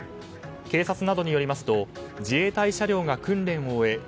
警察などによりますと自衛隊車両が訓練を終え